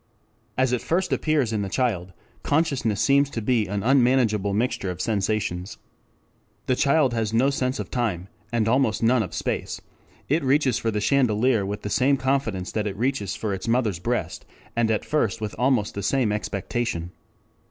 As it first appears in the child, consciousness seems to be an unmanageable mixture of sensations. The child has no sense of time, and almost none of space, it reaches for the chandelier with the same confidence that it reaches for its mother's breast, and at first with almost the same expectation.